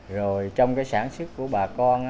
rồi trong cái sản xuất của bà con